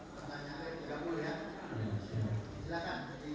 saya akan menyanyi